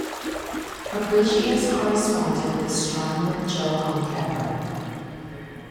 Fabricius corresponded with astronomer Johannes Kepler.